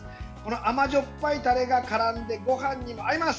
あまじょっぱいタレがからんでごはんにも合います。